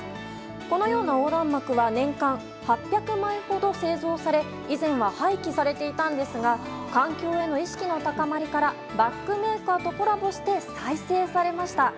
このような横断幕は年間８００枚ほど製造され以前は廃棄されていましたが環境への意識の高まりからバッグメーカーとコラボして再生されました。